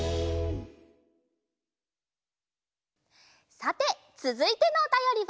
さてつづいてのおたよりは。